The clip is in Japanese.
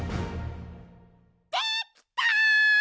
できた！